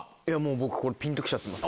僕これピンと来ちゃってます。